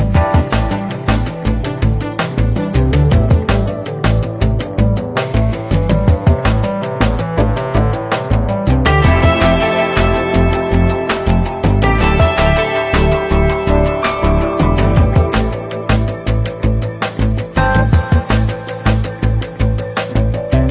บ๊าย